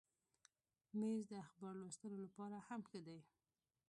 مېز د اخبار لوستلو لپاره هم ښه دی.